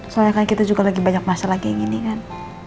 soalnya kan kita juga lagi banyak masalah kayak gini kan